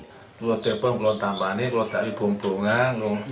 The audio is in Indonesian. kalau di depan kalau di tambahan kalau dari bumbungan